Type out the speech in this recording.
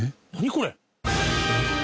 これ。